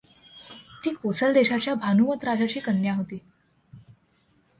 ती कोसल देशाच्या भानुमत् राजाची कन्या होती.